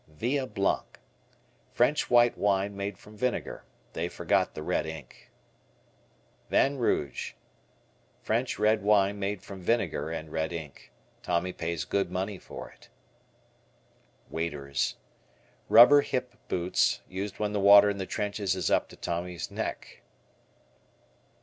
Via Blanc. French white wine made from vinegar. They forgot the red ink. Vin Rouge. French red wine made from vinegar and red ink. Tommy pays good money for it. W Waders. Rubber hip boots, used when the water in the trenches is up to Tommy's neck.